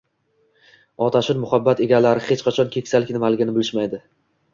Otashin muhabbat egalari hech qachon keksalik nimaligini bilishmaydi.